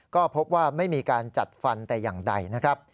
ก็พบว่าไม่มีการจัดฟันแต่อย่างใดนะครับ